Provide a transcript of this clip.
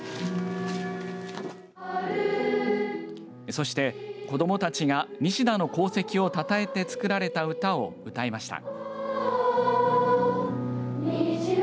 そして、子どもたちが西田の功績をたたえて作られた歌を歌いました。